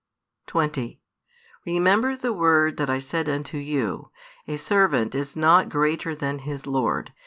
20 Remember the word that I said unto you, A servant is not greater than his lord.